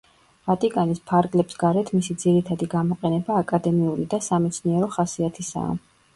ვატიკანის ფარგლებს გარეთ მისი ძირითადი გამოყენება აკადემიური და სამეცნიერო ხასიათისაა.